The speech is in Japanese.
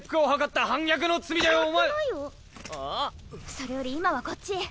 それより今はこっち。